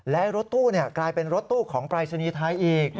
และรถตู้เนี่ยกลายเป็นรถตู้ของปลายชนีท้ายอีก